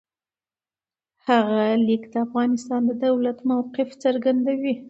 هغه لیک د افغانستان د دولت موقف څرګندوي.